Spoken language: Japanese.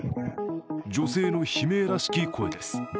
女性の悲鳴らしき声です。